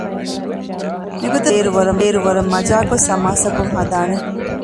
މިގޮތަށްވެސް ތިބޭއިރު ވަރަށް މަޖާކޮށް ސަމާސާކޮށް ހަދާނެ